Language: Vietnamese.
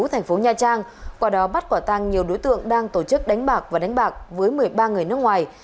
thành phố nha trang qua đó bắt quả tăng nhiều đối tượng đang tổ chức đánh bạc và đánh bạc với một mươi ba người nước ngoài